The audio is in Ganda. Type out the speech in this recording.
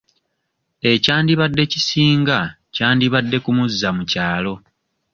Ekyandibadde kisinga kwandibadde kumuzza mu kyalo.